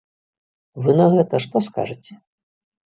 Вы на гэта што скажаце?